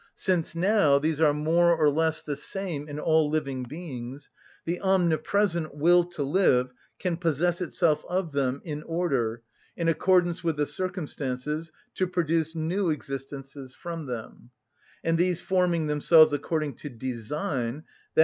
Since now these are more or less the same in all living beings, the omnipresent will to live can possess itself of them, in order, in accordance with the circumstances, to produce new existences from them; and these forming themselves according to design, _i.